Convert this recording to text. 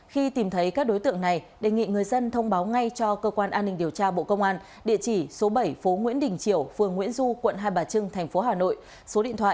khi tìm thấy các đối tượng này đề nghị người dân thông báo ngay cho cơ quan an ninh điều tra bộ công an địa chỉ số bảy phố nguyễn đình triều phường nguyễn du quận hai bà trưng thành phố hà nội số điện thoại sáu mươi chín hai trăm ba mươi bốn hai nghìn bốn trăm ba mươi một